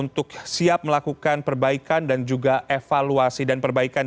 untuk siap melakukan perbaikan dan juga evaluasi dan perbaikan